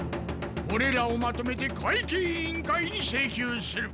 これらをまとめて会計委員会に請求する。